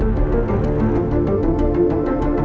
ท่านวัสดาใส่ร่องร้องไปร้องงานดังนั้น